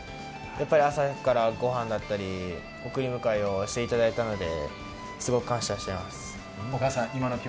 朝早くから御飯だったり送り迎えをしていただいたのですごく感謝しています。